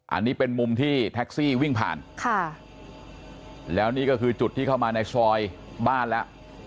อันนี้เป็นมุมที่แท็กซี่วิ่งผ่านค่ะแล้วนี่ก็คือจุดที่เข้ามาในซอยบ้านแล้ว